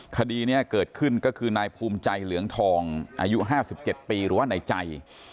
คดีนี้เกิดขึ้นก็คือนายภูมิใจเหลืองทองอายุ๕๗ปีหรือว่าในใจ